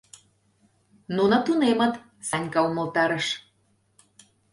— Нуно тунемыт, — Санька умылтарыш.